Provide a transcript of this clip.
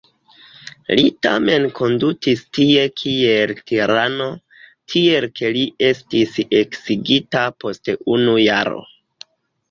Li tamen kondutis tie kiel tirano, tiel ke li estis eksigita post unu jaro.